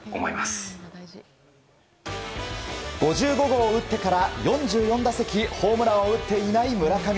５５号を打ってから４４打席ホームランを打っていない村上。